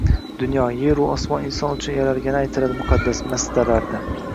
Dunyo – yer-u osmon Inson uchun yaralgani aytiladi muqaddas masdarlarda.